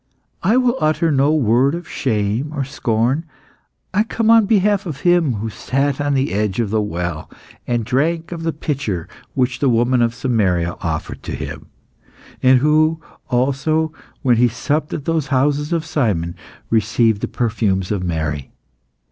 I will utter no word of shame or scorn. I come on behalf of Him who sat on the edge of the well, and drank of the pitcher which the woman of Samaria offered to Him; and who, also, when He supped at the house of Simon, received the perfumes of Mary.